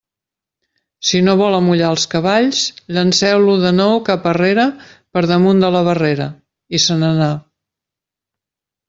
«Si no vol amollar els cavalls, llanceu-lo de nou cap arrere per damunt de la barrera»; i se n'anà.